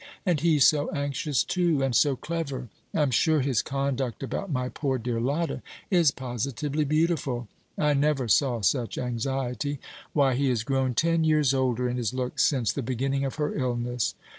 And he so anxious too, and so clever. I'm sure his conduct about my poor dear Lotta is positively beautiful. I never saw such anxiety. Why, he has grown ten years older in his looks since the beginning of her illness.